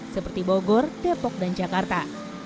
seperti bogor depok dan jakarta